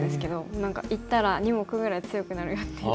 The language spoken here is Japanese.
何か行ったら２目ぐらい強くなるよっていう。